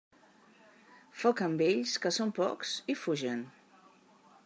Foc amb ells, que són pocs i fugen.